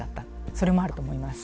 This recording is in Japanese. それもあると思います。